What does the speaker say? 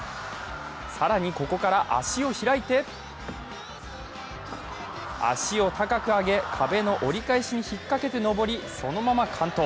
更に、ここから足を開いて足を高く上げ、壁の折り返しに引っかけて登り、そのまま完登。